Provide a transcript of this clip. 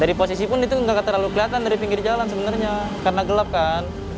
dari posisi pun itu nggak terlalu kelihatan dari pinggir jalan sebenarnya karena gelap kan